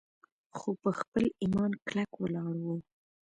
خو پۀ خپل ايمان کلک ولاړ وو